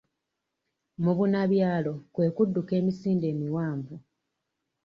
Mubunabyalo kwe kudduka emisinde emiwanvu.